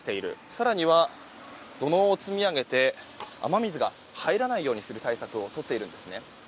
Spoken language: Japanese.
更には、土のうを積み上げて雨水が入らないようにする対策をとっているんですね。